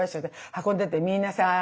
運んでてみんなさ